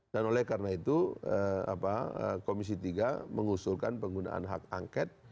dan oleh karena itu komisi tiga mengusulkan penggunaan hak angket